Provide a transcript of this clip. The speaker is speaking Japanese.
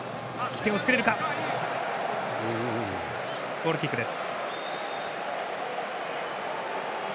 ゴールキックです。